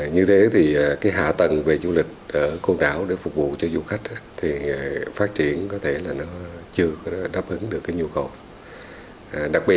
như thế thì cái hạ tầng về du lịch ở côn đảo để phục vụ cho du khách thì phát triển có thể là nó chưa đáp ứng được cái nhu cầu